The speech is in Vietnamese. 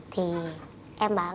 thì em bảo